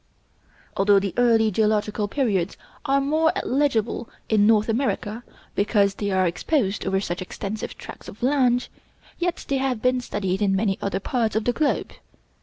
Although the early geological periods are more legible in North America, because they are exposed over such extensive tracts of land, yet they have been studied in many other parts of the globe.